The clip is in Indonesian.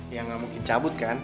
ya nggak mungkin cabut kan